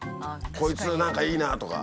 こいつ何かいいなとか。